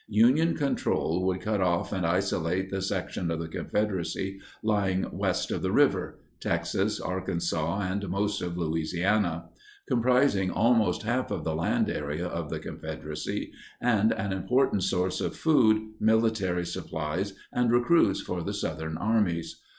Union control would cut off and isolate the section of the Confederacy lying west of the river—Texas, Arkansas, and most of Louisiana—comprising almost half of the land area of the Confederacy and an important source of food, military supplies, and recruits for the Southern armies.